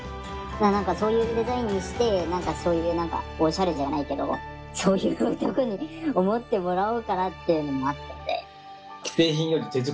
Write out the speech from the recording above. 何かそういうデザインにして何かそういうオシャレじゃないけどそういう男に思ってもらおうかなっていうのもあって。